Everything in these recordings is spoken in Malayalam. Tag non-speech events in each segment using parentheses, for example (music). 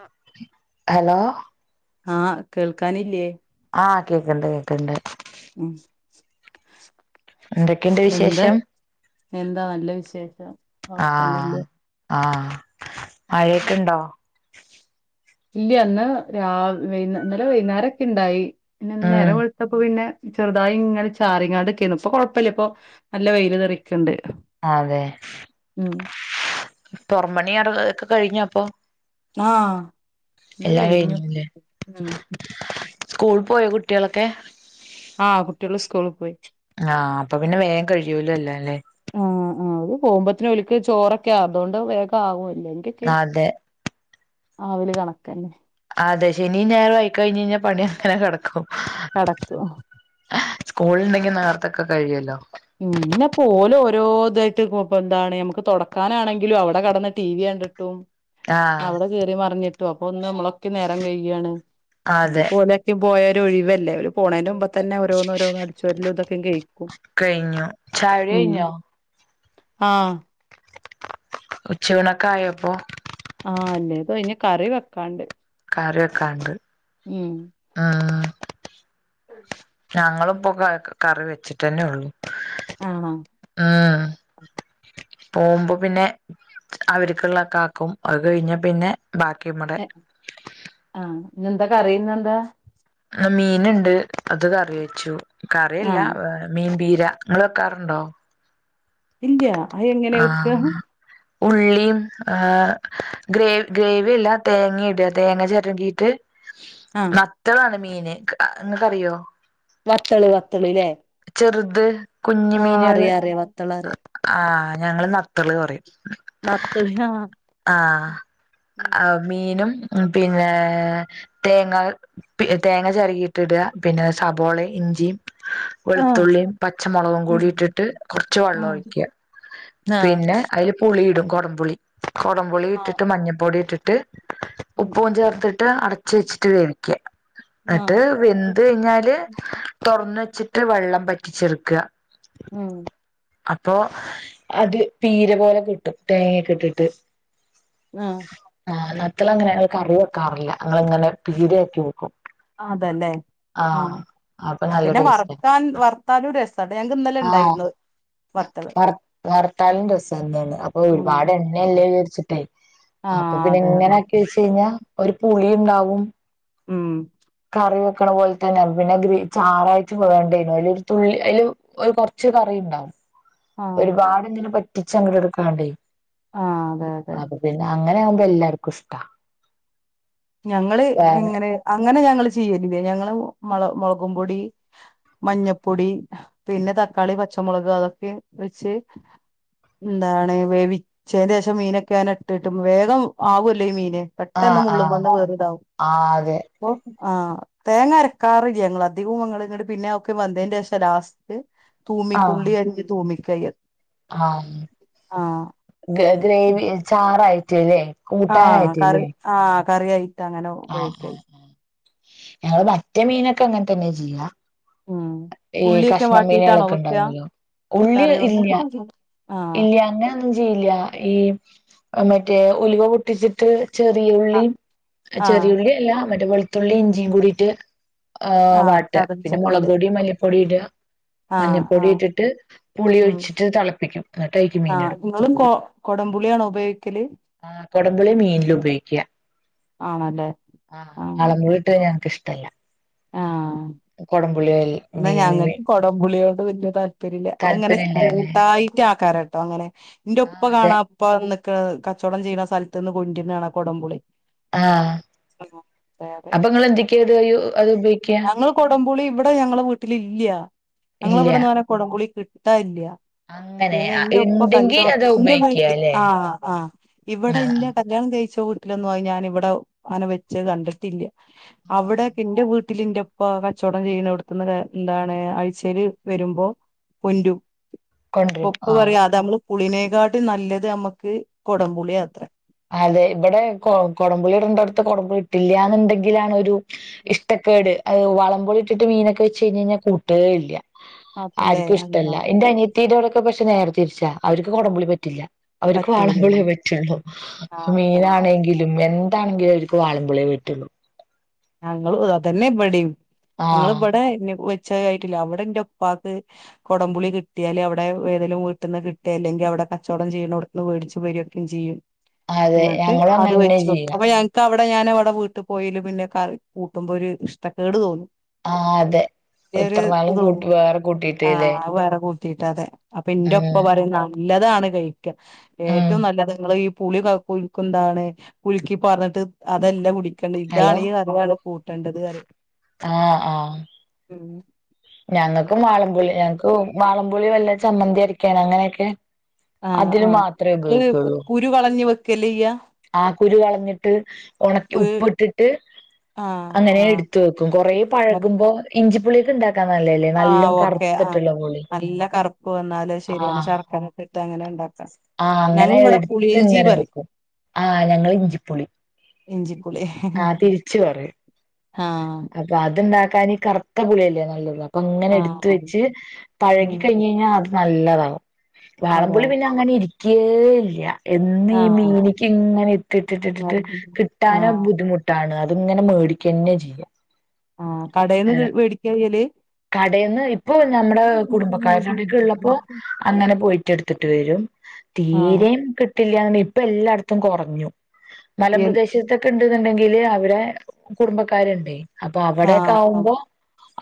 ആഹ് ഹലോ ആഹ് കേൾക്കാനില്ലേ ആഹ് കേക്കണ്ട് കേക്കണ്ട് ഉം എന്തൊക്കെയുണ്ട് എന്ത് വിശേഷം എന്താ നല്ല വിശേഷം ആഹ് കൊഴപ്പൊന്നുല്ല്യ ആഹ് മഴേക്കെണ്ടോ ഇല്ല ഇന്ന് രാ വൈ ഇന്നലെ വൈന്നേരംക്കെ ഇണ്ടായി പിന്നെ ഉം ഇന്നേരം വെളുത്തപ്പോ പിന്നെ ചെറുതായി ഇങ്ങനെ ചാറിങ്ങാണ്ട് നിക്കാണ് ഇപ്പോ കൊഴപ്പില്ല ഇപ്പോ നല്ല വെല് തെറിക്ക്ണ്ട് അതെ ഉം പൊറം പണിയാറ് എക്കെ കഴിഞ്ഞോ അപ്പോ ആഹ് ഇന്ന് എല്ലാം കഴിഞ്ഞു കഴിഞ്ഞുല്ലേ ഉം സ്കൂൾ പോയോ കുട്ടികളൊക്കെ ആഹ് കുട്ടികള് സ്കൂളി പോയി ആഹ് അപ്പോ പിന്നെ വേം കഴിയൂലോ എല്ലാംല്ലേ ആഹ് ആഹ് അത് പോമ്പത്തേനും ഓല്ക്ക് ചോറൊക്കെ ആവും അതുകൊണ്ട് വേഗം ആവും എല്ലെങ്കേക്കി അതെ ആവാല് കണക്കന്നെ അതെ ശനിം ഞായറും ആയി കഴിഞ്ഞേഞ്ഞാ പണി അങ്ങനെ കെടക്കും കെടക്കു സ്കൂള്ണ്ടെങ്കി നേർത്തൊക്കെ കഴിയല്ലോ ഇന്നപ്പോ ഓലോ ഓരോ ഇതായിട്ട് ഇപ്പ എന്താണ് നമ്മക്ക് തൊടക്കാനാണെങ്കിലും അവടെ കെടന്ന് ടി വി അണ്ട് ട്ടും ആഹ് അവടെ കേറി മറിഞ്ഞിട്ടുവോ അപ്പോ ഒന്ന് നമ്മളൊക്കെ നേരം കഴിയാണ് ഇത് അതെ പ്പോലെ പോയ ഒരു ഒഴിവല്ലേ ഓര് പോണേന്റെ മുമ്പത്തന്നെ ഓരോന്ന് ഓരോന്ന് അടിച്ചു വരലും ഇതക്കേം കേഴിക്കും കഴിഞ്ഞു ചായ കുടി ഉം കഴിഞ്ഞോ ആഹ് ഉച്ച ഊണൊക്കയോ അപ്പോ ആഹ് അല്ലേ (unintelligible) ഇനി കറി വെക്കാണ്ട് കറിവെക്കാണ്ട് ഉം ആഹ് ഞങ്ങളും ഇപ്പോ കറി വെച്ചിട്ടന്നെ ഒള്ളൂ ആണോ ആഹ് പോമ്പ പിന്നെ അവരിക്ക്ള്ളക്കാക്കും അത് കഴിഞ്ഞ പിന്നെ ബാക്കി ഇമ്മടെ ആഹ് ഇന്ന് എന്താ കറി ഇന്നെന്താ മീൻ ഇണ്ട് അത് കറി വെച്ചു കറിയല്ല ആഹ് ഏഹ് മീൻ പീര ഇങ്ങള് വെക്കാറുണ്ടോ ഇല്ല്യ അ എങ്ങെന്യാ വെക്കാ ഉള്ളിം ഏഹ് ഗ്രേ ഗ്രേവ്യല്ല തേങ്ങിട തേങ്ങ ചെരകീട്ട് ആഹ് വത്തളാണ് മീന് അ ഇങ്ങക്കറിയോ വത്തള് വത്തള് ലേ ചെറ്ത് കുഞ്ഞ് മീനാള് അറിയാ വത്തള് അറിയാ ആഹ് ഞങ്ങള് നത്തള് പറിം നത്തള് ആഹ് ആഹ് അ മീനും പിന്നെ തേങ്ങാ പി തേങ്ങ ചെരകീട്ടിടാ പിന്നെ സബോളെ ഇഞ്ചിം ആഹ് വെൾത്തുള്ളിം പച്ചമൊളകും കൂടി ഉം ഇട്ടിട്ട് കൊർച്ച് വള്ളോം ആഹ് ഒഴിക്ക ആഹ് പിന്നെ അയ്ല് പുളീടും കൊടംപുളി കൊടംപുളി ഇട്ടിട്ട് മഞ്ഞപ്പൊടി ഇട്ടിട്ട് ഉം ഉപ്പും ചേർത്തിട്ട് അടച്ച് വെച്ചിട്ട് വേവിക്ക എന്നിട്ട് ആഹ് വെ ന്ത് കൈഞ്ഞാല് തൊറന്ന് വെച്ചിട്ട് വള്ളം പറ്റിച്ചെട്ക്ക ഉംഹ് അപ്പോ അത് പീര പോലെ കിട്ടും തേങ്ങെക്കെട്ടിട്ട് ആഹ് ആഹ് നത്തളങ്ങനെ കറി വെക്കാറില്ല ഞങ്ങള് ഇങ്ങനെ പീരേക്കി വെക്കും അതെല്ലേ ആഹ് അപ്പൊ നല്ല പിന്നെ ടേസ്റ്റാ വറക്കാൻ വർത്താലും രസാട്ടാ ഞങ്ങക്ക് ഇന്നലെ ഇണ്ടായിരുന്ന് വത്തള് വർത്താലും രസാ എന്താണ് അപ്പോ ഒരുപാട് എണ്ണേല്ലേ വിചാര്ച്ചിട്ടേ അപ്പോ ആഹ് പിന്നെ അതെ അതെ ഇങ്ങനെ വെച്ചേഞ്ഞാ ഒരു പുളിണ്ടാവും ഉം കറി വെക്കിണ പോൽ തെന്നെ പിന്നെ ഗ്രേ ചാറായിട്ട് വെണ്ടേനു അയ്ലോരു തുള്ളി അയ്ല് ഒരു കൊർച്ച് കറി ഇണ്ടാവും ആഹ് പാടെ എന്തിനെ വറ്റിച്ച് അങ്ങട് എടുക്കാണ്ടേ ആഹ് അതെ അതെ അപ്പൊ പിന്നെ അങ്ങനെയാവ്മ്പോ എല്ലാർക്കുഷ്ട ഞങ്ങള് എങ്ങനെ അങ്ങനെ ഞങ്ങള് ചെയ്യലില്ല ഞങ്ങള് മൊള മൊളകുമ്പൊടി മഞ്ഞപ്പൊടി പിന്നെ തക്കാളി പച്ചമുളക് അതൊക്കെ വെച്ച് എന്താണ് വേവിച്ചേൻ്റേഷം മീനൊക്കെയാൻ ഇട്ട്ട്ടും വേഗം ആവൊല്ലോ ഈ മീന് പെട്ടെന്ന് ആഹ് ആഹ് മുള്ളുമ്മന്ന് വേറിതാവും ആഹ് അതെ ഒ ആഹ് തേങ്ങ അരക്കാറില്ല്യങ്ങള് അധികൊം അങ്ങളിങ്ങട് പിന്നെ ഒക്കെ വന്തേതിന്റേഷം ലാസ് തൂമിക്കു ആഹ് ഉള്ളി അരിഞ്ഞ് തൂമിക്കാ എയ്യ ആഹ് ഗ ഗ്രേവി ചാറായിട്ടല്ലേ ആഹ് കൂട്ടാനായിട്ടല്ലേ കറി ആഹ് കറിിയയ്ട്ടങ്ങനെ ആഹ് ആഹ് ആഹ് ഞങ്ങള് മറ്റേ മീനൊക്കെ അങ്ങൻ തെന്നെ ചെയ്യാ ഉം ഈ ഉള്ളിയൊക്കെ കഷ്ണ വാട്ടിയിട്ടാണോ മീനാളൊക്കെ വെക്ക ഇണ്ടാവോല്ലോ ഉള്ളി കറി ഇല്ല്യ ആ ഇല്ല്യ അങ്ങ ഞ്ചില്ല ഈ മറ്റേ ഉലുവ പൊട്ടിച്ചിട്ട് ചെറിയുള്ളിം ആ ചെറിയുള്ളി അല്ല മറ്റേ വെളുത്തുള്ളി ഇഞ്ചിങ്കുടിട്ട് ആഹ് ആ വാട്ട പിന്നെ മുളക് ചതച്ചട്ടില് പൊടി മല്ലിപ്പൊടി ഇട ആ ആ മഞ്ഞപ്പൊടിട്ടിട്ട് പുളി ഒഴിച്ചിട്ട് തളപ്പിക്കും അന്നിട്ട്യ്ക്ക് മി ആഹ് നിങ്ങളും കൊ കൊടംപുളിയണോ ഉപയ്ക്കല് ആഹ് കൊടമ്പളി മീൻല് ഉപയ്ക്ക്യ ആണല്ലേ ആഹ് ആ വളപുളി ഇട്ടെ ഞങ്ങ്ക്ക് ഇഷ്ടല്ല ആഹ് കൊടം പുളി അൽ മീൻല് കൊടംമ്പുളിയോട് വല്ല്യ താല്പര്യല്ല അങ്ങനെ താല്പര്യല്ലല്ലേ ചൺസ് കൂട്ടായ്ട്ടാക്കാരട്ടോ അങ്ങനെ എന്റെ ഒപ്പ ആഹ് അതെ കാണാ ഇപ്പന്നക്ക കച്ചവടം ചെയ്യണ സ്ഥലത്ത് നിന്ന് കൊണ്ടിന്ന് കാണാ കൊടംപുളി ആഹ് അതെ അപ്പൊങ്ങ എന്തൊക്കെയത് അത് ഉപയോഗ ഞങ്ങൾ കുടംപുളി ഇവിടെ ഞങ്ങള വീട്ടില ഇല്ല ഞങ്ങള ഇല്ല ഇവിടെന്ന് പറഞ്ഞ കൊടംപുളി കിട്ടാല്ല അങ്ങനെ പിന്നെ ആ, എന്റെ ഉപ്പ ഇണ്ടെങ്കി കച്ചോ അതാ ഇന്റെ ഉപയോഗിക്കുക വിട് അല്ലേ ആഹ് ആഹ് ഇവിടെ ആഹ് ഇന്റെ എല്ലണം കയിച്ച വീട്ടിലൊന്നും ഞാൻ ഇവിടെ അങ്ങനെ വെച്ച് കണ്ടിട്ടില്ല ആഹ് അവിടെെ ഇ ന്റെ വീട്ട വീട്ടിലിന്റെപ്പ കച്ചവടം ചെയ്യുന്ന ഇവിടുത്ത എന്താണ് ആഴ്ചയില് വരുമ്പോ പൊന്റും കൊണ്ടരും ഉപ്പ ആഹ് പറയാ അത നമ്മള് പുളിനേക്കാടിലും നല്ലത് നമ്മുക്ക് കൊടംപുളി യാത്ര അതെ ഇവിടെ കൊ കൊടംപളി രണ്ടടുത്ത് കൊടംപുളി ഇട്ടില്ലന്നുണ്ടെങ്കിലാണ് ഒരു ഇഷ്ടക്കേട് അത് വള്ളം ഇട്ടിട്ട് മീനൊക്കെ വെച്ച് കഴിഞ്ഞഞ് കഴിഞ്ഞൽ കൂട്ടുകേ ഇല്ല അപ്പല്ലേ ആർക്കും ഇഷ്ടല്ല എന്റെ അനിയ തീരോടെൊക്കെ പക്ഷെ നേര തിരിച്ച അവർക്ക് കുടംപൊളി പറ്റില്ല അവർക്ക് വാളംപോളി പറ്റൂലന്ന് പറ്റുള്ളൂ ആഹ് അതന്നെ മീനാണെങ്കിലും എന്താണെങ്കിലും അവർക്ക് വാളൻപുളയേ പറ്റുള്ളൂ ഞങ്ങള് അതന്നെ ഇവിടെയും ഞങ്ങ ആഹ് ഇവിടെ വെച്ച ആയിട്ടില്ല അവിടെ ഇന്റെ ഒപ്പാക്ക് കൊടമ്പപളി കിട്ടിയാല് അവിടെ വേതലും വീട്ടന്ന് കിട്ടി അല്ലെങ്കിൽവിടെ കച്ചവടം ചെയ്യണ വേടിച്ചു വരിൊക്കും ചെയ്യും അതെ ഇന്നട്ടു ഞങ്ങളും അത് അങ്ങനെന്നെ വെച്ച ചെയ്യാ അപ്പ ഇ അവിടെ ഞൻവിടെ വീട്ടിൽ പോയല പിന്നെ കൂട്ടുമ്പോ ഒരു ഇഷ്ടക്കേട് തോന്നും ആഹ് അതെ ര് ഇത്ര ഇ നാളും കൂട്ടി തോന്നനും വേറെ കൂട്ടിയിട്ടല്ലേ ആഹ് വേറെ കോ കട്ടീട്ട് അതെ അപ്പൊ എന്റെ ഉപ്പ ഉം പറയും നല്ലതാണ് കഴിക്ക ഉം ഏറ്റവും നല്ല നിങ്ങള് ഈ പുളി കുഴുക്കന്താണ് പുലുക്കി പറഞ്ഞിട്ട് അതെല്ല കൂടി ഹലോ ഇതാണ് ഈ കാറിയാണ് കൂട്ടേണ്ടത് പറിയും ഉം ഞങ്ങൾക്ക് വ മാളംപൊളി ഞങ്ങക്ക് വാളംപൊളി വല്ല ചമ്മന്തി അരക്കാണ് അങ്ങനെയൊക്കെ ആഹ് അതിന് ആഹ് മാത്രമേ നിങ്ങള് ഉപയോഗിക്കുള്ളൂ കുരു കളഞ്ഞഞ് വെക്കല്ലേ ചെയ്യാ ആഹ് കുരു കളഞ്ഞിട്ട് ഉണക്കി ഉപ്പിട്ടിട്ട് ആഹ് അങ്ങനെ ആഹ് എടുത്ത വെക്കും കുറെ പഴകുമ്പോ ഇഞ്ചിപ്പളിയൊക്കെ ഉണ്ടാക്കും ക നല്ലതല്ലേ ആഹ് നല്ലോം ഓക്കെ ആഹ് കറുത്തിട്ടുള്ള പുളി നല്ല കറുപ്പ് വന്നാല് ശരിയാണ് ശർക്കര ഒക്ക ഇട്ട് അങ്ങനെണ്ട ആഹ അങ്ങനെ എടുത്ത് ഇങ്ങനെ പറയും എടുക്കും ആഹ ഞങ്ങൾ ഇഞ്ചിപ്പൊളി ഇഞ്ചിപ്പുളി ആ തിരിച്ചു പറയും ആഹ ആ അത്ണ്ടാക്കാൻ ഈ കറുത്ത പുളി അല്ലേ നല്ലത് അങ്ങനെ എടുത്ത ആഹ് വെച്ച് പഴകി ഉം കഴിഞ്ഞ് കഴിഞ്ഞാൽ അത് നല്ലതാകും അതെ വാളംപുളി പിന്നെ അങ്ങനെ ഇരിക്കേ ഇല്ല എന്നും ഈ ആഹ് മീനിക്ക് ഇങ്ങനെ ഇട്ട് ഇട്ടിട്ടിട്ടിട്ട് കിട്ടാനോ ആഹ് ബുദ്ധിമുട്ട് ട്ടാണ് അത്ങ്ങനെ മേടിക്കുക തന്നെ ചെയ്യാം ആഹ കടൽന്ന് വേടിക്കചെയ്യലു കടയിന്ന് ഇപ്പൊ ഞമ്മടെ കുടുംബക്കാരടെടെയൊക്കെ ഇള്ളപ്പോ അങ്ങനെ പോയിട്ടു എടുത്തിട്ട് വരും ആഹ് തീരും കില്ല ഇപ്പൊ എല്ലായിടത്തും കുറഞ്ഞു എൻ മലമ്പ്രദേശത്തെ ഇണ്ടെന്നുണ്ടെങ്കില് അകുടുംബക്കാർ ഇണ്ട് അപ്പൊ അവിടെൊക്കെ ആഹ് ആഹ് ആകുമ്പോ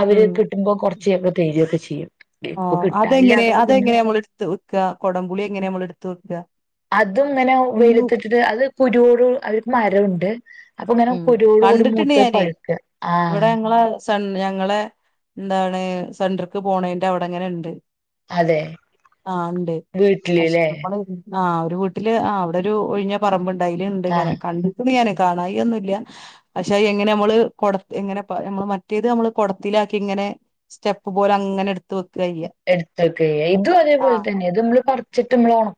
അവര് ഉം കിട്ടുമ്പോ കുറച്ചയൊക്കെ തെ രൊക്കെ ചെയ്യും ഇപ്പൊ അതെങ്ങനെ കിട്ടാനില്ലാത്തപ്പോ പിന്നെ അതെങ്ങനെയാ നമ്മൾ എടുത്ത് വെക്ക കുടംപുളി എങ്ങനെ നമ്മൾ എടുത്ത് വെക്കുക അതും ഇങ്ങനെ വെയിലത്തിട്ടിട്ട് അത് കുരുവോട് അവർക്ക് മരവുണ്ട് അപ്പൊ ഇങ്ങനെ ഉം കുരോട് കൂടി കണ്ടിട്ടുണ്ട് മൂത്ത് ഞാനേ പഴുക്ക് ആ ഇവിടെ ഞങ്ങളെ സൺ ഞങ്ങളെ എന്താണ് സെൻടർക്ക് പോണതിന്റെ അവിടെങ്ങനെ ഇ ണ്ട് അതെ ആഹ ഉണ്ട് അഷ് വീട്ടില്ല്ലേ ആഹ് ഒരു വീട്ടില് ആ അവിടെ ഒരു ഒഴിഞ്ഞ പറമ്പ് അയില് ഇണ്ട് ഇങ്ങനെ ആഹ് കണ്ടുക്കുന്നു ഇങ്ങനെ കാനായി ഒന്നുല്ല പക്ഷെ എങ്ങനെ നമ്മള് കൊട എങ്ങനെ നമ്മള് മറ്റേത് നമ്മള് കൊടത്തിലാക്കി ഇങ്ങനെ സ്റ്റെപ്പ് പോലെ അങ്ങനെ എടുത്ത് വെക്കെയ്യ എടുത്തക്കെയ്യാ ഇതും അതേപോലെ തന്നെ ഇത് ഇമ്മള് പറിച്ചിട്ട് ഇമ്മൾ ഒണ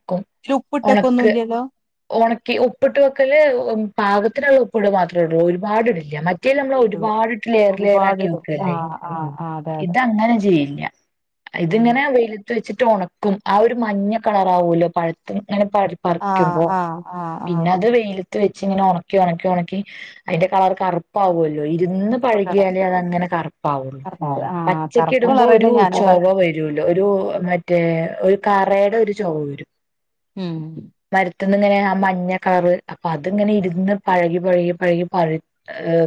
ഇതില് ഉപ്പിട്ടൊക്കെ ഒന്നും ഉണക്ക് ഇല്ലല്ലോ ഒണക്കി ഉപ്പിട്ട് വെക്കല് പാകത്തിനുള്ള ഉപ്പിടൽ മാത്രമേ ഉള്ളൂ ഒരുപാട് ഇടില്ല മറ്റ മറ്റേ നമ്മള ഒരുപാട് ഇട്ട് ലേയർ ലേയർ ആക്കി ഒരുപാടിടും ആ വെക്കല്ലേ ആ ആ അതെ അതെ ഇതങ്ങനെ ചെയ്യില്ല ഇതിങ്ങനെ വെയിലത്ത് വെച്ചിട്ട് ഒണക്കും ആ ഒരു മഞ്ഞ കളർ ആവുല്ലോ പഴ്ത്ത് ഇങ്ങനെ പഴ ആഹ ആഹ പിന്നെ അത് വെയിലത്ത് വെച്ച് ഇങ്ങനെ ഒണക്കി ഒണക്കി ഒണക്കി അയിന്റെ കളർ കറുപ്പാവുല്ലോ ഇരുന്ന് കറുപ്പ് പഴകിയാലേ അതങ്ങനെ കറപ്പാവുള്ളൂ ആ പച്ചക്ക് കറുപ്പ് ഇടുമ്പോ ഒരു കളറന്നെ ഞാനും ചൊവ കണ്ടിട്ടുണ്ട് വരു ല്ലോ ഒരു മറ്റേ ഒരു കറേടെ ഒരു ചൊവ വരും ഉം മരുത്ത്ന്ന് ഇങ്ങനെ ആ മ മഞ്ഞ കളറ് അപ്പൊ അത് ഇങ്ങനെ ഇരുന്ന് പഴകി പഴകി പഴകി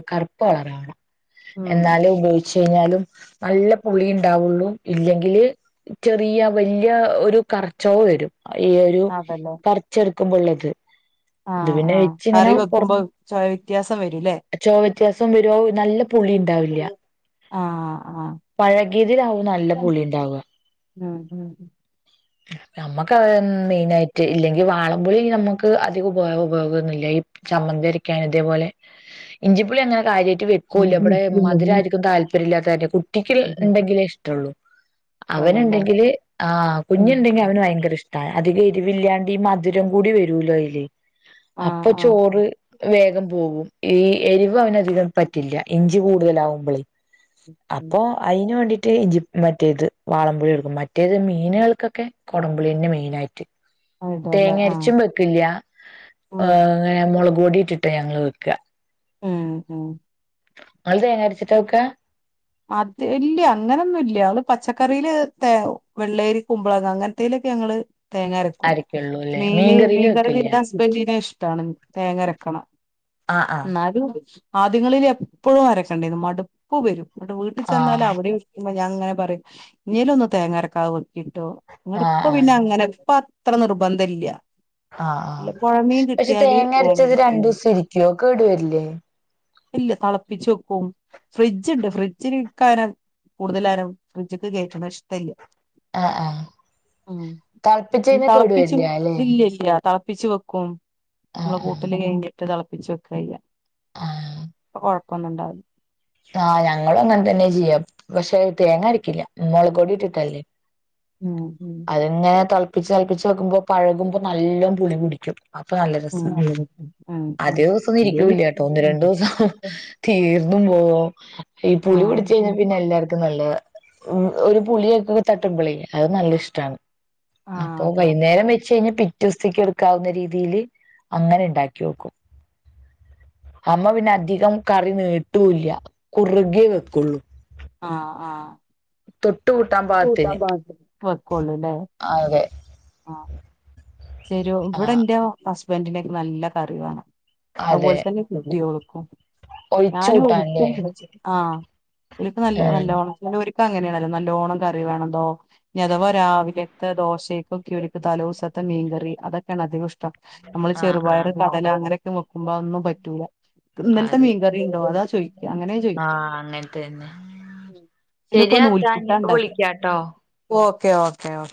കറുപ്പ് കളറണം ഉം എന്നാലേ ഉപയോഗിച്ചു കഴിഞ്ഞാലും നല്ല പുളി ഉണ്ടാവുള്ളു ഇല്ലെങ്കില് ചെറിയ വല്ല്യ ഒരു കറച്ചൊവ വരും ഈ ഒരു അതല്ലേ പറിച്ചെടുക്കുമ്പോ ഇള്ളത് ആഹ് ആ കറി വെക്കുമ്പോ ചൊവ വ്യത്യാസം വരൂല്ലേ ചൊവ വ്യത്യാസം വരും അത്‌ നല്ല പുളിയുണ്ട് ണ്ടാവില്ല ആ ആ പഴകിയതിലാവും നല്ല പുളി ഇണ്ടാവ ഉം ഉം നമ്മുക്കത് തന്നെ മെയിനായിട്ട് ഇല്ലെങ്കി വാളംപുളി നമ്മക്ക് ക്ക് അധികം ഉപ ഉപയോഗൊന്നില്ല ഈ ചമ്മന്തിരക്കാന് ഇതേപോലെ ഇഞ്ചി പുളി അങ്ങനെ കാര്യായിട്ട് വ ക്കൂല ഇവിടെ മധുരാരിക്കും താല്പര്യം ഇല്ലാത്ത കാരണെ കുട്ടിക്ക് ഇണ്ടെങ്കിലേ ഇഷ്ടൊള്ളു ചൊള്ളുല്ലേ അവനുണ്ടെങ്കില് ആഹ്‌ ഉം കുഞ്ഞുണ്ടെങ്കിൽ അവന് ഭയങ്കര ഇഷ്ടം അതികം എരിവില്ലാണ്ട് ഈ മധുരം കൂടി വരുലോ അയില് ആ അപ്പൊ ആ ചോറ് വേഗം പോവും ഈ എരിവ് അവനധികം പറ്റില്ല ഇഞ്ചി കൂടുതലാവുമ്പളേ അപ്പൊ അയിന് വേണ്ടിട്ട് ഇഞ്ചി മറ്റേത് വാളംപൊളി എടുക്കും മറ്റേത് മീനുകൾക്കൊക്കെ കുടംപുളിന്നെ മെയിനായിട്ട് ഇടുംല്ലേ തേങ്ങ ആഹ് അരച്ചും വെ ഇല്ല്യ ഉം ഇങ്ങനെ മുളകപൊടിട്ടിട്ടാ ഞങ്ങൾ വെക്ക ഉം ഉം ഇങ്ങൾ തേങ്ങരിച്ചിട്ടാ വെക്കാ അത് ഇല്ല്യ അങ്ങനൊന്നുല്ല്യ അവല് പച്ചക്കറിയില് തേ വെള്ളരി കുമ്പളങ്ങ അങ്ങന്ത്തേലൊക്കെ ഞങ്ങള് തേങ്ങ അരക്കും അരക്കുള്ളൂ അല്ലേ മീന് മീൻകറിയില് വെക്കില്ല ഇന്റെ ഹസ്ബൻഡ്ന് ഇഷ്ടാണ് തേങ്ങ അരക്കണം ആ ആ ഇന്നാല് ആദ്യങ്ങളിൽ എപ്പഴും അരക്കണ്ടേന്ന് മടുപ്പ് വരും ഇന്നിട്ട് വീട്ടിൽ ആ ചെന്നാല് അവിടേം ഇ ഞാൻ ഇങ്ങനെ പറയും ഇനിയേലും ഒന്ന് തേങ്ങരക്കാതെ വെക്കിട്ടോ ഇങ്ങട്ട് ആ ഇപ്പ പിന്നെ ആ അങ്ങനെ ഇപ്പ അത്ര നിർബന്ധ ഇല്ല്യ ആഹ് ആഹ് പക്ഷെ തേങ്ങ അരച്ചത് രണ്ടു തേങ്ങരക്കും ദീസം ഇരിക്കോ കേടു വരില്ലേ ഇല്ല തളപ്പിച്ച് വെക്കും ഫ്രിഡ്ജ് ഇണ്ട് ഫ്രിഡ്ജ് ഫ്രിഡ്ജിൽ ഇകാരം കൂടുതലായാലും ഫ്രിഡ്ജ്ക്ക് കേറ്റ്ണ ഇഷ്ടല്ല്യ ആഹ് ആഹ് ഉം തിളപ്പിച്ച് കഴിഞ്ഞാൽ കേടു തെളപ്പിച്ചു വരില്ല അല്ലെ ഇല്ല്യല്ല്യ തെളപ്പിച്ച് വെക്കു ക്കും ഇമ്മളെ ആഹ് കൂട്ടല് കഴിഞ്ഞിട്ട് തിളപ്പിച് വെക്കായ്യ ആഹ് ഒന്ന്ണ്ടാവും ആഹ് ഞങ്ങളും അങ്ങനെ തന്നെ ചെയ്യാ പക്ഷെ തേങ്ങരിക്കില്ല മൊളഗ് പൊടി ഇട്ടിട്ട് ഉം ഉം അത്ങ്ങനെ തെളപ്പിച്ച് തെളപ്പിച്ച് വെക്കുമ്പോ പഴകുമ്പോ നല്ല പുളിപിടിക്കും അപ്പൊ നല്ല രസാണ് ഉം അധികം ദീസൊന്നും നല്ലത് ഇരിക്കൂല്ലട്ടോ ഒന്ന് രണ്ടു ദിവസം അത് തീർന്നും പോവോ ഈ പുളി ആഹ് പിടിച്ച കഴിഞ്ഞാ പിന്നെ എല്ലാർക്കും നല്ലതാ ഉം ഒരു പുളിയക്ക തട്ടുമ്പളേ അത് നല്ല ഇഷ്ടാണ് ആഹ് അപ്പൊ അതന്നെ വൈകുന്നേരം വെച്ച് കഴിഞ്ഞൽ പിറ്റൊസ്തിക്ക് എടുക്കാവുന്ന രീതിൽ അങ്ങനെ ഉണ്ടാക്കി വോക്കും അമ്മ പിന്നെ അധികം കറി നീട്ടൂല്ല്യ കുറുകേ വെക്കുള്ളൂ ആഹ് ആഹ് തൊട്ട് കൂട്ടാൻ തൊട്ട് പാകത്തിന് ബാ വ ക്കൊള്ളുലെ അതെ ആഹ് ശെരി ഇവിടെ ആഹ് ന്റെ ഹസ്ബൻഡി ന്റെക്ക നല്ല കറി വേണം അതെ അതുപോലെ തന്നെ കുട്ട്യാൾക്കും ഒഴിച്ചു ഞാനും കൂട്ടാൻല്ലേ ആഹക്ക് നല്ല ഉം നല്ലവണം നല്ലൊക്ക അങ്ങനെയാണല്ലോ നല്ലോഓണം കറി വേണല്ലോ അതവാ രാവിലെ ദോശകൊക്കെ ഒരുക്ക് തലോസത്തെ മീൻകറി അതൊക്കെയാണ് അധികം ഇഷ്ടം നമ്മള് ആഹ് ചെറുപയർ ആഹ് കടല അങ്ങനെയൊക്കെ വെക്കുമ്പോ അത് ഒന്നും പറ്റൂല ഇന്നലത്തെ അതെ മീൻകറി ഉണ്ടോ അതാ ചോയ്ക്ക അങ്ങനെയ ചോയ്ക്ക ആഹ് അങ്ങൻത്തന്നെ ഇന്നപ്പോ ശരിയാത്താ നൂൽപുട്ട ഇനിപ്പ ഉണ്ടാ വിളിക്കാട്ടോ ഓക്കേ ഓക്കേ ഓേ